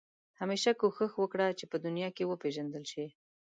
همېشه کوښښ وکړه چې په دنیا کې وپېژندل شې.